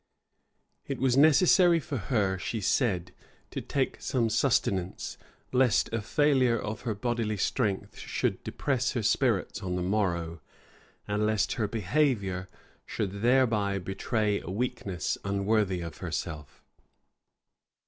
It was necessary for her, she said, to take some sustenance, lest a failure of her bodily strength should depress her spirits on the morrow, and lest her behavior should thereby betray a weakness unworthy of herself.